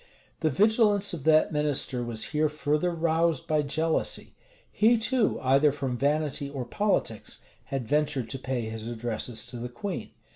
The vigilance of that minister was here further roused by jealousy. He, too, either from vanity or politics, had ventured to pay his addresses to the queen.